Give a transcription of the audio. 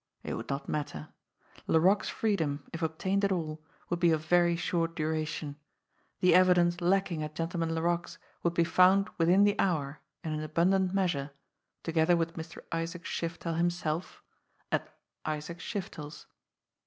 It would not matter. Laroque's freedom, if obtained at all, would be of very short duration. The evidence lacking at Gentleman Laroque's would be found within the hour and in abundant measure, together with Mr. Isaac Shiftel himself, at Isaac Shiftel's!